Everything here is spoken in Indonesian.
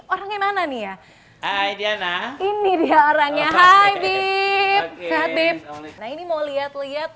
orangnya mana nih ya hai diana ini dia orangnya hai bibib ini mau lihat lihat